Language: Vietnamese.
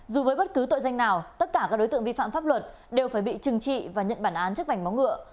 dù với bất cứ tội danh nào tất cả các đối tượng vi phạm pháp luật đều phải bị trừng trị và nhận bản án trước vảnh móng ngựa